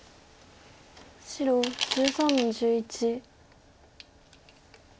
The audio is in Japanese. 白１３の十一。